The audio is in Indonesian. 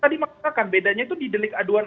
tadi mengatakan bedanya itu di delik aduan